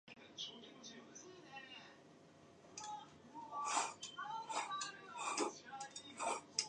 Other critics have noted that Menya's music frequently centers on overtly sexual themes.